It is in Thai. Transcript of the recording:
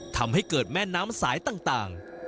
ทำให้เกิดแม่น้ำสายต่าง